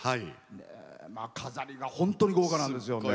飾りが本当に豪華なんですよね。